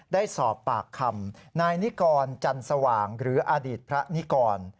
ได้สอบปากคำนายนิกรจันสว่างหรืออดีตพระนิกร